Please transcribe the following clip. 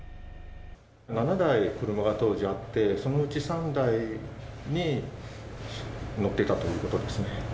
７台、車が当時あって、そのうち３台に乗っていたということですね。